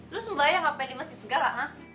lu sembahyang gak pilih masjid segala ha